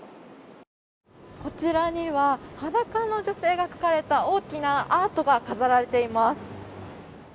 こちらには裸の女性が描かれた大きなアートが飾られています。